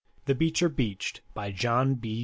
THE BEECHER BEACHED BY JOHN B.